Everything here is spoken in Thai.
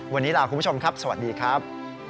วันนี้ลาคุณผู้ชมครับสวัสดีครับ